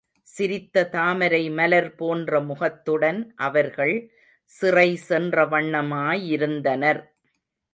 சிரித்த தாமரை மலர் போன்ற முகத்துடன் அவர்கள் சிறைசென்றவண்ணமாயிருந்தனர்.